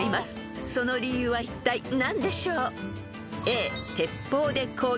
［その理由はいったい何でしょう？］